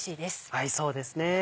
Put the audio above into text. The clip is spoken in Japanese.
合いそうですね。